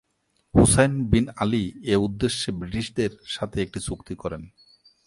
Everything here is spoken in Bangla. হুসাইন বিন আলী এ উদ্দেশ্যে ব্রিটিশদের সাথে একটি চুক্তি করেন।